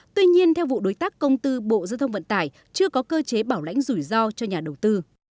tuy nhiên theo vụ đối tác công tư bộ dư thông vận tải chưa có cơ chế bảo lãnh rủi ro cho nhà đầu tư